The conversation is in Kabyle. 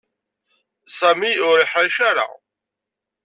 Sami ur yeḥṛic ara.